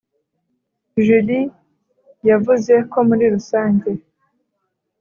julie yavuze ko muri rusange